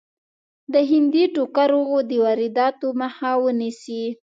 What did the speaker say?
د هندي ټوکرو د وادراتو مخه ونیسي.